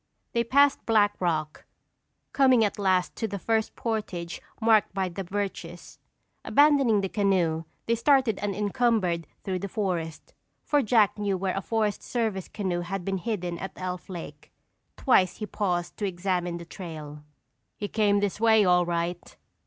They passed Black Rock, coming at last to the first portage marked by the birches. Abandoning the canoe they started unencumbered through the forest, for Jack knew where a Forest Service canoe had been hidden at Elf Lake. Twice he paused to examine the trail. "He came this way all right."